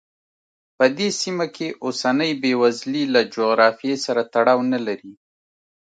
په دې سیمه کې اوسنۍ بېوزلي له جغرافیې سره تړاو نه لري.